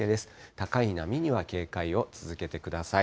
高い波には警戒を続けてください。